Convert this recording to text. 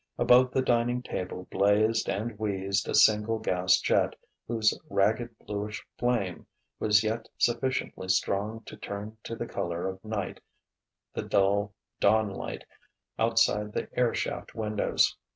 Above the dining table blazed and wheezed a single gas jet, whose ragged bluish flame was yet sufficiently strong to turn to the colour of night the dull dawnlight outside the air shaft windows.